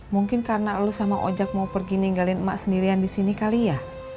mungkin karena elu sama ojak mau pergi ninggalin emak sendirian disini kali ya